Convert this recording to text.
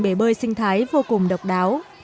bể bơi sinh thái vô cùng độc đáo